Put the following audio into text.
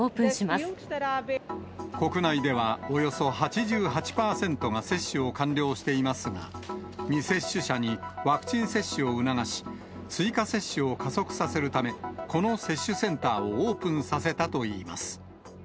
国内では、およそ８８％が接種を完了していますが、未接種者にワクチン接種を促し、追加接種を加速させるため、この接種センターをオープンさせたといいます。